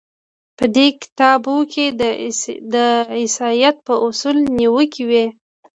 په دې کتابونو کې د عیسایت په اصولو نیوکې وې.